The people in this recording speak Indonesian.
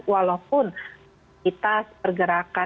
walaupun kita bergerakkan